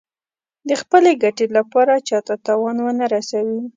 د خپلې ګټې لپاره چا ته تاوان ونه رسوي.